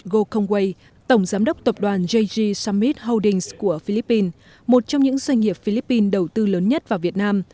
nguyễn xuân phúc tổng giám đốc tập đoàn jg summit holdings của philippines một trong những doanh nghiệp philippines đầu tư lớn nhất vào việt nam